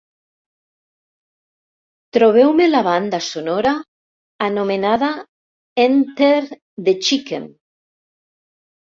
Trobeu-me la banda sonora anomenada "Enter the Chicken"